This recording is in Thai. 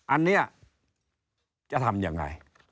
อันนี้จะทำยังไง